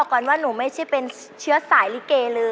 ขอวอนได้ปลอดป่านี